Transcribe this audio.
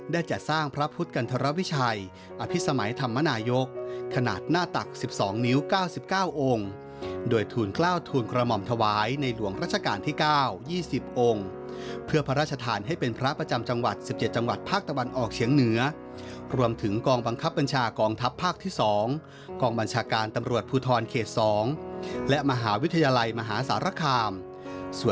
จัดสร้างพระพุทธกันธรวิชัยอภิษมัยธรรมนายกขนาดหน้าตัก๑๒นิ้ว๙๙องค์โดยทูลกล้าวทูลกระหม่อมถวายในหลวงรัชกาลที่๙๒๐องค์เพื่อพระราชทานให้เป็นพระประจำจังหวัด๑๗จังหวัดภาคตะวันออกเฉียงเหนือรวมถึงกองบังคับบัญชากองทัพภาคที่๒กองบัญชาการตำรวจภูทรเขต๒และมหาวิทยาลัยมหาสารคาม